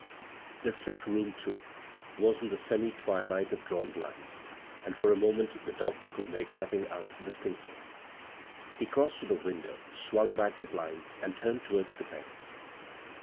The ^ck room, too, was in the semi twilight cd drawn blinds, and for a moment the doctor could make nothing out distinctly. He crossed to the window, swung back the blinds, and turned towards the bed.